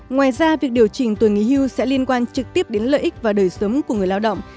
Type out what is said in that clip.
ngoài ra việc điều chỉnh tuổi nghỉ hưu sẽ liên quan trực tiếp đến lợi ích và đời sống của người lao động